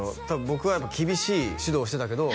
「僕はやっぱ厳しい指導をしてたけど」